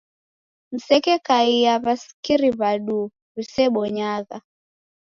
Msekekaia w'asikiri w'aduu w'isebonyagha.